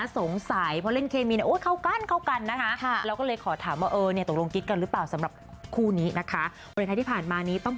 ต้องลองมาเจอตัวจริงดูครับผม